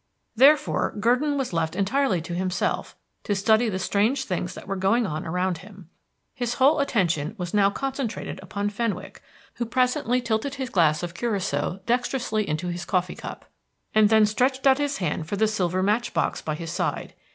Therefore, Gurdon was left entirely to himself, to study the strange things that were going on around him. His whole attention was now concentrated upon Fenwick, who presently tilted his glass of Curacoa dexterously into his coffee cup, and then stretched out his hand for the silver match box by his side.